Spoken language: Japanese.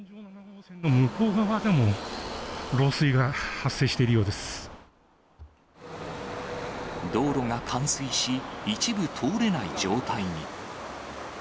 向こう側でも漏水が発生して道路が冠水し、一部通れない状態に。